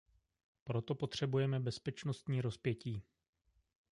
Proto potřebujeme bezpečnostní rozpětí.